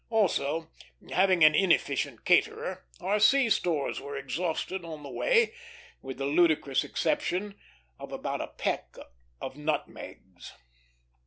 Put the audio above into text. Also, having an inefficient caterer, our sea stores were exhausted on the way, with the ludicrous exception of about a peck of nutmegs.